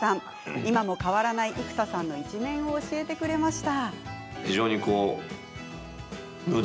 今も変わらない生田さんの一面を教えてくれました。